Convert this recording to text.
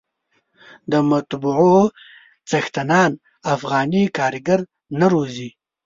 د مطبعو څښتنان افغاني کارګر نه روزي.